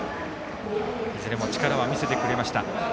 いずれも力は見せてくれました。